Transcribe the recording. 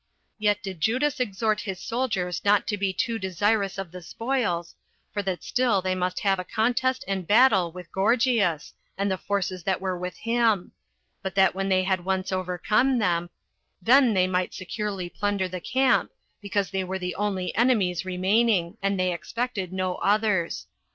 Yet did Judas exhort his soldiers not to be too desirous of the spoils, for that still they must have a contest and battle with Gorgias, and the forces that were with him; but that when they had once overcome them, then they might securely plunder the camp, because they were the only enemies remaining, and they expected no others.